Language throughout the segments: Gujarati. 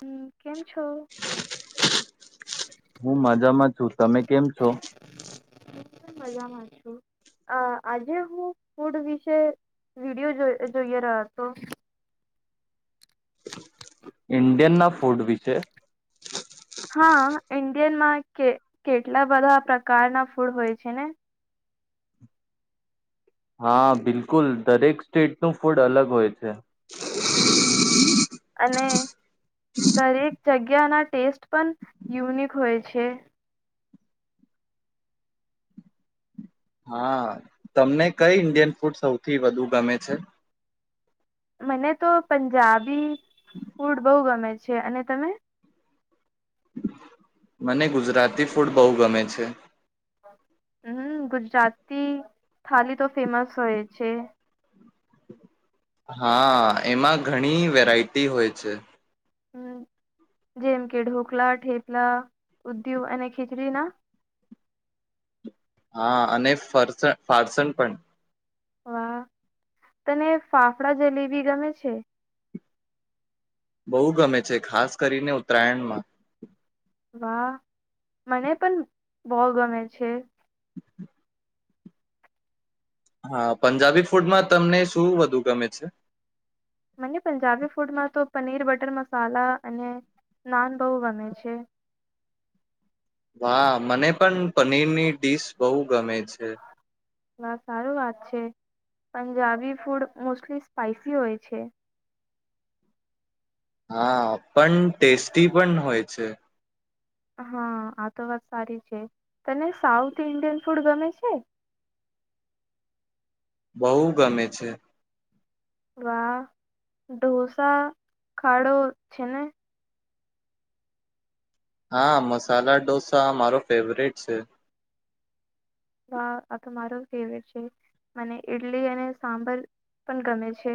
હમ કેમ છો. હું મજામાં છું તમે કેમ છો હું મજામાં છું આજે હું ફૂડ વિશે વિડીિયો જોઈએ રહ હતો. ઇન્ડિયન ના ફૂડ વિશે. હા ઇન્ડિયનમાં કે કેટલા બધા પ્રકારના ફૂડ હોય છે ને. હા બિલકુલ દરેક સ્ટેટ નું ફૂડ અલગ હોય છે. હમ અને દરેક જગ્યાના. ટેસ્ટ પણ યુનિક હોય છે. હા તમને કઈ ઇન્ડિયન ફૂડ સૌથી વધુ ગમે છે. મને તો પંજાબી ફૂડ બહુ ગમે છે અને તમે. મને ગુજરાતી ફૂડ બહુ ગમે છે. હમ ગુજરાતી થલી તો ફેમસ હોય છે. હા એમાં ઘણી વેરાયટી હોય છે. હમ જેમ કે ઢોકલા ઠેપલા ઉદ્યવ અને ખીચડીના. હા અને ફરસણ ફારસણ પણ. વાહ તને ફાફડા જલીવીી ગમે છે. બહુ ગમે છે ખાસ કરીને ઉત્તરાયણમાં. વાહ મને પણ બહ ગમે છે. હ. હા પંજાબી ફૂડમાં તમને શું વધુ ગમે છે. મને પંજાબી ફૂડમાં તો પનીર બટર મસાલા અને નાન બહુ ગમે છે. વાહ મને પણ પનીરની ડીશ બહુ ગમે છે. હ સારું વાત છે પંજાબી ફૂડ મોસ્ટલી સ્પાઈસી હોય છે. હા પણ ટેસ્ટી પણ હોય છે. હા આ તો વાત સારી છે તને સાઉથ ઈન્ડિયન ફૂડ ગમે છે. બહ ગમે છે. વાહ ઢોસા ખાડો છે ને. હા મસાલા ડોસા મારો ફેવરેટ છે. વાહ આ તો મારો ફેવરેટ છે મને ઈડલી અને સાંબર પણ ગમે છે.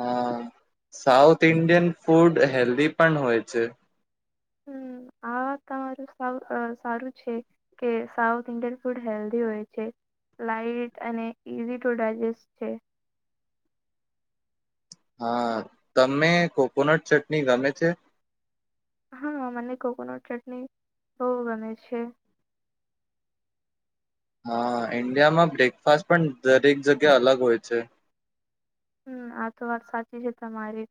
હા સાઉથ ઇન્ડિયન ફૂડ હેલ્ધી પણ હોય છે. હમ આ વા તમારું સારું છે કે સાઉથ ઇન્ડિયન ફૂડ હેલ્ધી હોય છે લાાઈટ અને ઈઝી ટુ ડાયજેસ્ટ છે. હા તમે કોકોનટ ચટણી ગમે છે. હા મને કોકોનટ ચટણી બહુ ગમે છે હા ઈન્ડિયામાં બ્રેકફાસ્ટ પણ દરેક જગ્યા અલગ હોય છે. હમ આ તો વાત સાચી છે તમારી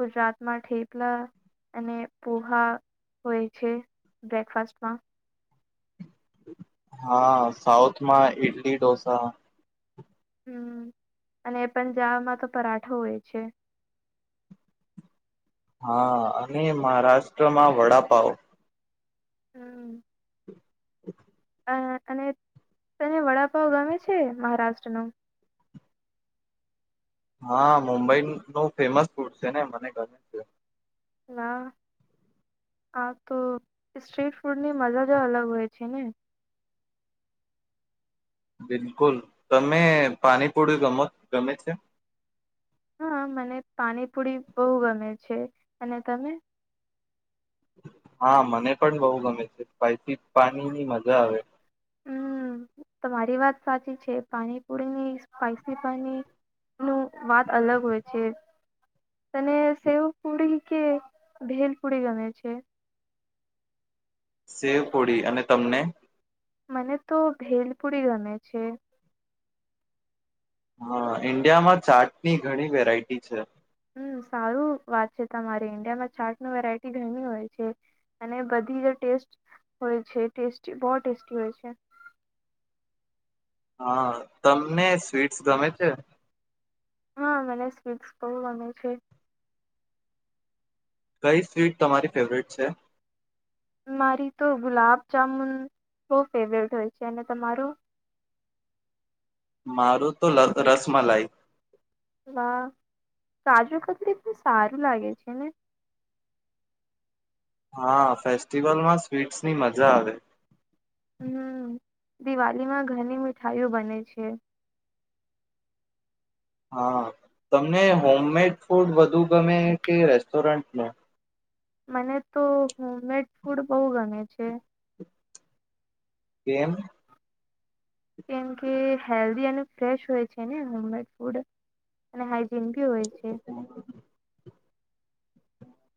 ગુજરાતમાં ઠેપલા અને પ પોહા હોય છે બ્રેકફાસ્ટમાં હા સાઉથમાં ઈડલી ઢોસા. હમ અને એ પણ જામાં તો પરાઠો હોય છે. હા અને મહારાષ્ટ્રમાં વડાપાવ. હમ હ અને તને વડાપાવ ગમે છે મહારાષ્ટ્ર ન. હા મુંબઈ નું ફેમસ ફૂડ છે ને મને ગમે છે. હા હા તો સ્ટ્રીટ ફૂડની મજા જ અલગ હોય છે ને. બિલકુલ તમે પાણીપુળ ગમ ગમે છે. હા મને પાણીપુરી બહુ ગમે છે અને તમે. હા મને પણ બહુ ગમે છે સ્પાઈસી પાણીની મજા આવે. હમ તમારી વાત સાચી છે પાણીપુરીની સ્પાઈસી પાણી નું વાત અલગ હોય છે તને સેવ પૂડી કે ભેલ પૂડી ગમે છે. સેવ પડી અને તમને મને તો ભેલપુડી ગમે છે હા ઈન્ડિયામાં ચાટની ઘણી વેરાયટી છે. હમ સારું વાત છે તમારી ઈન્ડિયામાં છાટ ન વેરાયટી ઘણી હોય છે અને બધી જે ટેસ્ટ હોય છે ટેસ્ટી બહ ટેસ્ટી હોય છે. હા તમને સ્વીટ્સ ગમે છે. હા મને સ્વીટ્સ બહુ ગમે છે. કઈ સ્વીટ તમારી ફેવરેટ છે. મારી તો ગુલાબજામુન બહ ફેવરેટ હોય છે અને તમારો મારું તો રસમલઈ. વાહ કાજુ કતલીફ સારું લાગે છે ને હા ફેસ્ટિવલમાં સ્વીટ્સ ની મજા આવે. હમ દિવાળીમાં ઘણી મીઠાઈઓ બને છે. હા તમને હોમમેડ ફૂડ વધુ ગમે કે રેસ્ટોરન્ટનું. મને તો હોમમેડ ફૂડ બહુ ગમે છે. કેમ કેમ કે હેલ્ધી અને ફ્રેશ હોય છે નેમમેડ ફૂડ અને ચિમપી હોય છે [inaudible]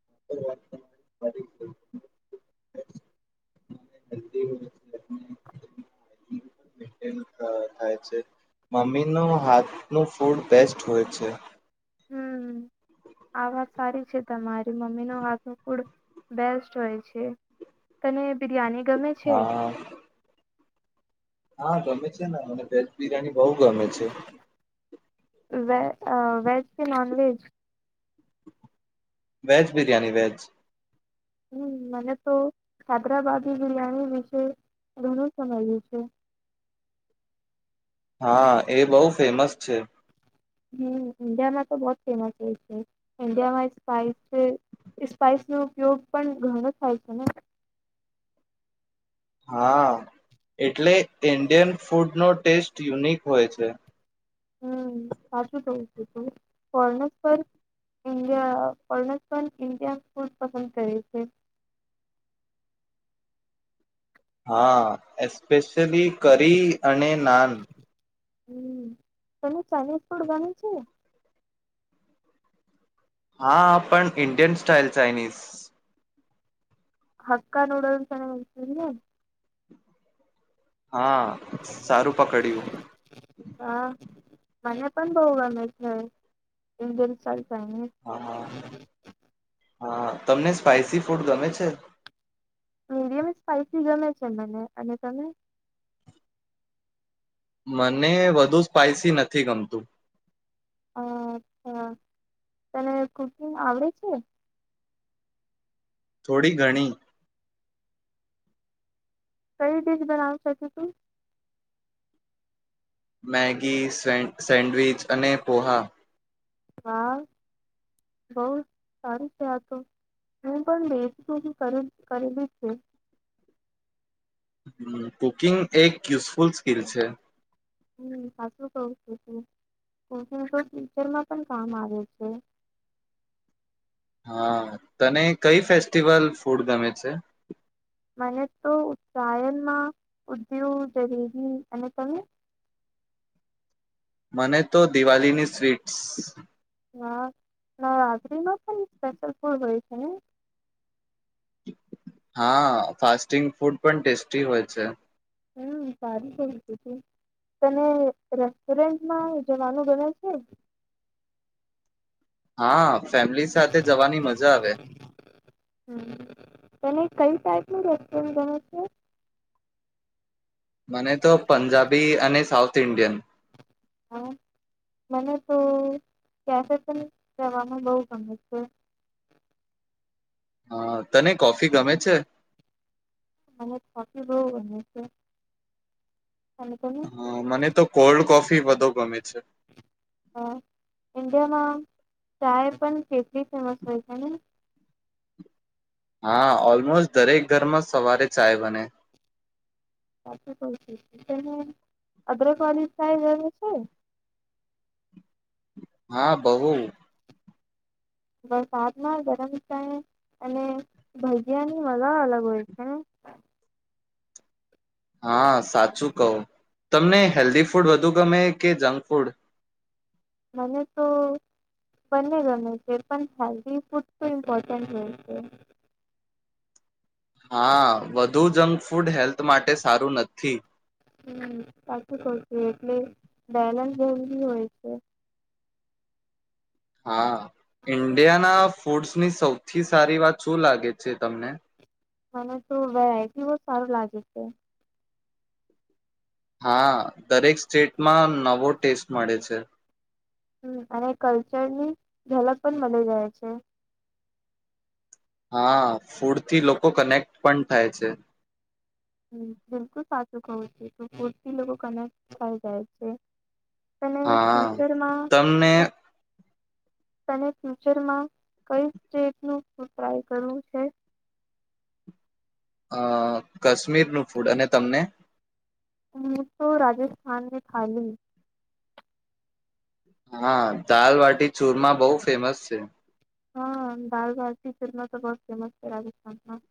મમ્મી નો હાથ નુ ફૂડ બેસ્ટ હોય છે. હમ્ આ વાત સારી છે તમારી મમ્મી નો હાથ ફૂડ બેસ્ટ હોય છે તને બિરિયાની ગમે છે. હા હા ગમે છે ને મને વેજ બિરયાની બઉ વ વેજ કે non veg veg biryani veg હમ મને તો હૈદરાબાદી બિરિયાની વિશે ઘણું સમય્યું છે. હા એ બહુ ફેમસ છે. હમ ઈન્ડિયામાં તો બહુ જ ફેમસ હોય છે ઈન્ડિયામાં સ્પાઈસ છે સ્પાઈસ નો ઉપયોગ પણ ઘણો થાય છે ને હા એટલે ઇન્ડિયન ફૂડનો ટેસ્ટ યુનિક હોય છે. હમ્ સાચું કહું છે તું ફોરેનરસ પણ ઇન્ડિયા ફોરેનરસ ઇન્ડિયા ફૂડ પસંદ કરે છે. હા એસ્પેશલી કરી અને નાન. હમ તમે ચાઇનીઝ ફૂડ ગમે છે? હા પણ ઇન્ડિયન સ્ટાઇલ ચઇનીઝ. હકા નૂડલસ ચનાશેને હા સારું પકડ્યું. હા મને પણ બવુ ગમે છે ઇન્ડિયન ચાઈ ચાનીઝ. હા હા તમને સ્પાઈસી ફૂડ ગમે છે. મીડિયમ સ્પાઈસી ગમે છે મને અને તમને? મને વધુ સ્પાઈસી નથી ગમતું. અચ્છા તને કુકિંગ આવડે છે. થોડી ઘણી. કઈ ડિશ બનાવી શકે તુ મેગી, સેન્ડવિચ, અને પોહા હા બહુ સારું છે આતો હું પણ બેજી બધું કરેલી છે. હ કુકિંગ એક યુઝફુલ સ્કિલ છે. હમ સાચું કવું છુ કુકિંગ તો ટીચરમાં પણ કામ આવે છે. હા તને કઈ ફેસ્ટિવલ ફૂડ ગમે છે? મને તો ઉતત્રાયણમાં ઉદ્યયુ જલેબી અને તને મને તો દિવાળીની સ્વીટ્સ હ નવરાત્રીમાં પણ સ્પેશિયલ ફૂડ હોય છે નય? હા ફાસ્ટિંગ ફૂડ પણ ટેસ્ટી હોય છે. હમ, સારી કઈ તું તને રેસ્ટોરન્ટમાં જવાનું ગમે છે હા ફેમિલી સાથે જવાની મજા આવે હમ. તને કઈ ટાઈપ નું રેસ્ટોરન્ટ ગમે છે ઇડિયન હા, મને તો કેફે પણ જવાનું બહુ ગમે છે હા, તને કોફી ગમે છે મને કોફી બહુ ગમે છે અને તને હા, મને તો કોલ્ડ કોફી ફી વધુ ગમે છે હા, એડિયામાં ચાય પણ કેટલી ફેમસ હોય છે ને હા, ઓલમોસ્ટ દરેક ઘરમાં સવારે ચાય બને સાચું કહું છું, અદરકવાલી ચાય ગમે છે? હા, બહુ વરસાદમાં ગરમ ચાય અને ભજીયાની મજા અલગ હોય છે હા સાચું કહો તમને હેલ્ધી ફૂડ વધુ ગમે કે જંક ફૂડ મને તો બંને ગમે છે પણ હેલ્ધી ફૂડ તો ઇમ્પોર્ટન્ટ હોય છે. હા વધુ જંક ફૂડ હેલ્થ માટે સારું નથી. હમ સાચું કવ છું, એટલે બેલેન્સ જરૂરી હોય છે. હા ઈન્ડિયાના ફૂડ્સની સૌથી સારી વાત શું લાગે છે તમને? મને તો વેરાયટી બહ સારું લાગે છે. હા દરેક સ્ટેટમાં નવો ટેસ્ટ મળે છે. હમ્મ અને કલ્ચરની ઝલક પણ મલી જાય છે હા ફૂડ થી લોકો કનેક્ટ પણ થાય છે હમ્મ બિલકુલ સાચું કવું છો ફૂડ થી લોકો કનેક્ટ થાય જાય છે તને હા ફ્યુચરમાં તમને તને ફ્યુચરમાં કઈ સ્ટેટ નુ ફૂડ ટ્રાય કરવુ છે અ કાશ્મીરનું ફૂડ અને તમને મને તો રાજસ્થાનને થાલી હા દાલ વાટી ચુરમાં બહુ ફેમસ છે હા દાલ ભારતી ચૂરમાં તો બહોત ફેમસ છે રાજસ્થાનમાં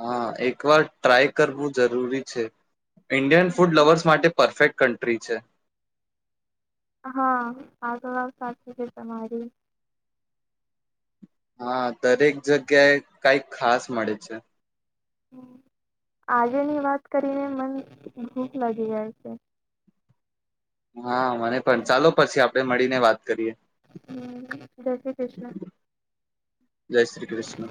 હા એક વાર ટ્રાય કરવું જરૂરી છે ઇન્ડિયન ફૂડ લવર્સ માટે પરફેક્ટ કન્ટ્રી છે હા પણ વાત સાચી છે તમારી હા દરેક જગ્યાએ કઈક ખાસ મળે છે આજેની વાત કરીને મન ભૂખ લાગી જાય છે હા મને પણ ચાલો પછી આપ આપે મળીને વાત કરીએ હમ્મ જય શ્રી કૃષ્ણ જય શ્રી કૃષ્ણ.